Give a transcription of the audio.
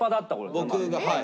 僕がはい。